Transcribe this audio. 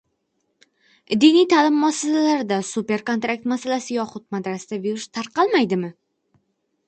Diniy ta’lim muassasalarida “superkontrakt” masalasi yoxud madrasada virus tarqalmaydimi?